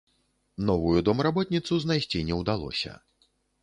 Новую домработніцу знайсці не ўдалося.